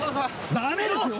ダメですよ！